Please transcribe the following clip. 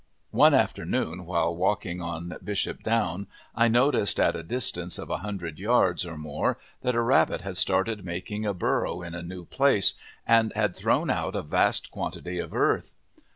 One afternoon when walking on Bishop Down I noticed at a distance of a hundred yards or more that a rabbit had started making a burrow in a new place and had thrown out a vast quantity of earth.